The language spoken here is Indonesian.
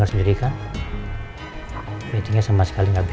gak apa apa sih